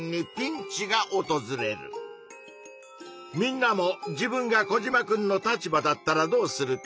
みんなも自分がコジマくんの立場だったらどうするか。